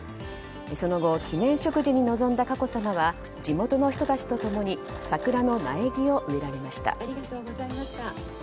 その後記念植樹に臨んだ佳子さまは地元の人たちと共に桜の苗木を植えられました。